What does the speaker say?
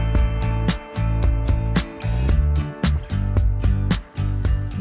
bisa dipakai untuk makanan yang lebih sedap